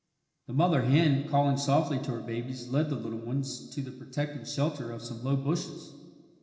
The mother hen, calling softly to her babies, led the little ones to the protecting shelter of some low bushes.